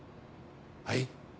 はい？